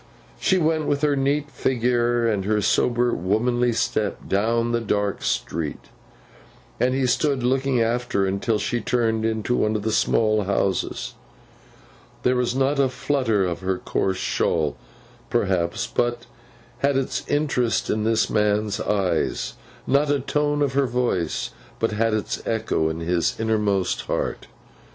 She went, with her neat figure and her sober womanly step, down the dark street, and he stood looking after her until she turned into one of the small houses. There was not a flutter of her coarse shawl, perhaps, but had its interest in this man's eyes; not a tone of her voice but had its echo in his innermost heart.